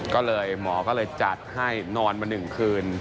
ก็เลยหมอก็เลยจัดให้นอนมา๑คืน